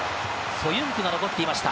ソユンクが残っていました。